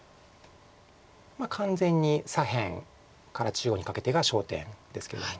完全に左辺から中央にかけてが焦点ですけども。